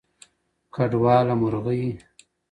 کډواله مرغۍ